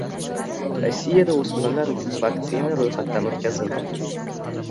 Rossiyada o‘smirlar uchun vaksina ro‘yxatdan o‘tkazildi